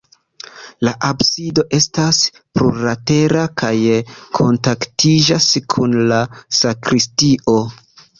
La absido estas plurlatera kaj kontaktiĝas kun la sakristio.